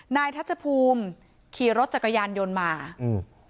ทัชภูมิขี่รถจักรยานยนต์มาอืม